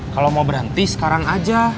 kalau mau berhenti sekarang aja